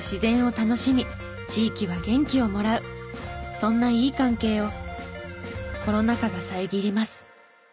そんないい関係をコロナ禍が遮ります。